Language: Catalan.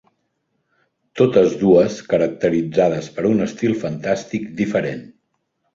Totes dues caracteritzades per un estil fantàstic diferent.